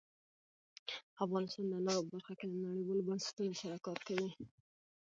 افغانستان د انارو په برخه کې له نړیوالو بنسټونو سره کار کوي.